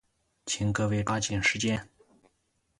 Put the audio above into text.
请各位抓紧时间。